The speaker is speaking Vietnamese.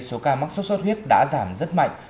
số ca mắc sốt xuất huyết đã giảm rất mạnh